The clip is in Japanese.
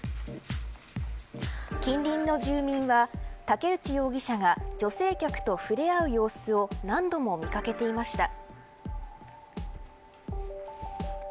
近隣の住民は武内容疑者が女性客と触れ合う様子を何度も見掛けていました。